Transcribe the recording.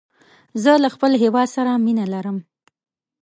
زه له خپل هېواد سره مینه لرم